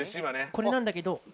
これなんだけど。